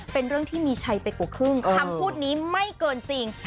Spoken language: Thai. เป็นเรื่องที่มีชัยไปกว่าครึ่งคำพูดนี้ไม่เกินจริง